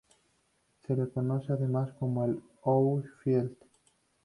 Se le conoce además como el "outfield".